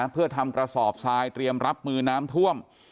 เพื่อทำกระสอบทรายเตรียมรับมือน้ำท่วม